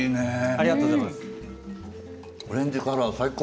ありがとうございます。